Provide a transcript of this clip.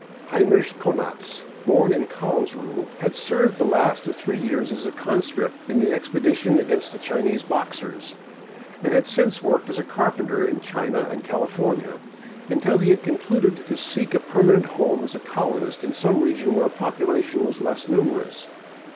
Heinrich Konanz, born in Karlsruhe, had served the last of three years as a conscript in the expedition against the Chinese Boxers, and had since worked as a carpenter in China and California, until he had concluded to seek a permanent home as a colonist in some region where population was less numerous.